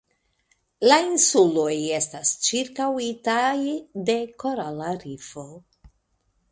La insuloj estas ĉirkaŭitaj de korala rifo.